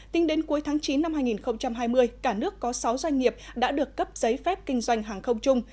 tính đến cuối tháng chín năm hai nghìn hai mươi cả nước có sáu doanh nghiệp đã được cấp giấy phép kinh doanh hàng không chung